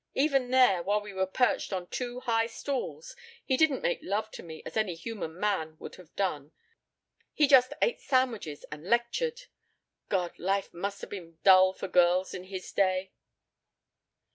Even there, while we were perched on two high stools, he didn't make love to me as any human man would have done. He just ate sandwiches and lectured. God! Life must have been dull for girls in his day!"